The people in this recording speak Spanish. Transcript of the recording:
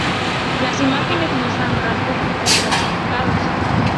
Las imágenes muestran rasgos estratificados.